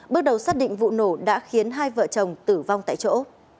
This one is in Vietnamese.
bước đầu xác định vụ nổ đã khiến hai vợ chồng tử vong tại chỗ